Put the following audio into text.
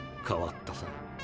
変わったさ。